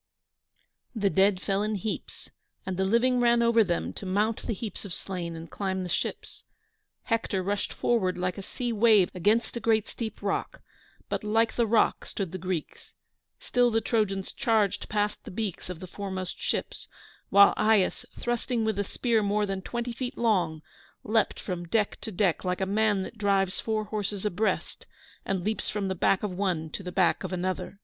The dead fell in heaps, and the living ran over them to mount the heaps of slain and climb the ships. Hector rushed forward like a sea wave against a great steep rock, but like the rock stood the Greeks; still the Trojans charged past the beaks of the foremost ships, while Aias, thrusting with a spear more than twenty feet long, leaped from deck to deck like a man that drives four horses abreast, and leaps from the back of one to the back of another.